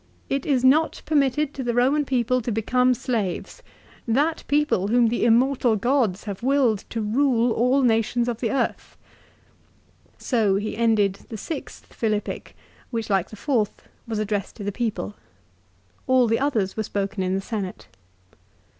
" It is not permitted to the Eoman people to become slaves; that people whom the immortal gods have willed to rule all nations of the earth." l So he ended the sixth Philippic, which like the fourth was addressed to the people. All the others were spoken in the Senate.